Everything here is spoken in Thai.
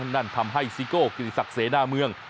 นั่นทำให้ซิโก้กิจสักเสน่ห์หน้าเมือง